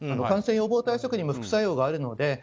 感染予防対策にも副作用があるので。